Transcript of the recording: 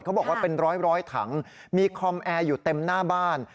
เขาบอกว่าเป็นร้อยถังมีคอมแอร์อยู่เต็มหน้าบ้าน